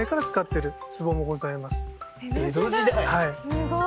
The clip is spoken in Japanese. すごい！